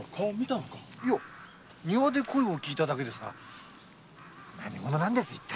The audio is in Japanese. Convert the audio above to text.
いや庭で声を聞いただけですが何者なんです一体？